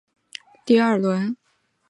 之后各小组的前两名进入第二轮。